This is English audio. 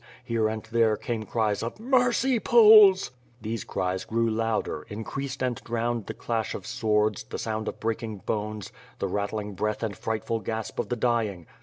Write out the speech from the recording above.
Here and there came cries of "Mercy, Poles!^^ These cries grew louder, increased and drowned the clash of swords, the sound of breaking bones, the rattling breath and frightful gasp of the dying.